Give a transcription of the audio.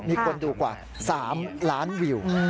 มีคนดูกว่า๓ล้านวิว